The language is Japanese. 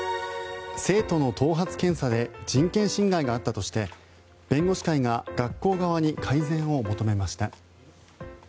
生徒の頭髪検査で人権侵害があったとして弁護士会が学校側に改善を求めました。